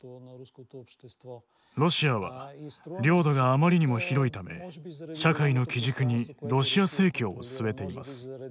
ロシアは領土があまりにも広いため社会の基軸にロシア正教を据えています。